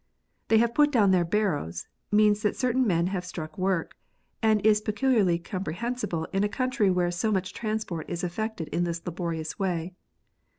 They have put doivn their harrows, means that certain men have struck work, and is peculiarly comprehensible in a country where so much transport is effected in this laborious way.